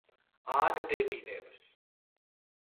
ააგდებინებს